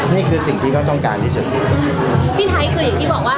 นี่คือสิ่งที่เขาต้องการที่สุดพี่ไทยคืออย่างที่บอกว่า